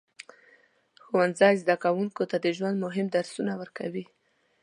ښوونځی زده کوونکو ته د ژوند مهم درسونه ورکوي.